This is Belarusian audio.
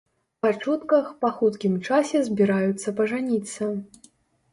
Па чутках, па хуткім часе збіраюцца пажаніцца.